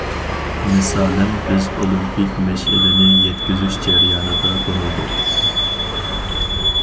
مىسالەن: بىز ئولىمپىك مەشئىلىنى يەتكۈزۈش جەريانىدا تونۇلدۇق.